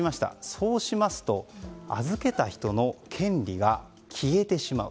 そうしますと、預けた人の権利が消えてしまう。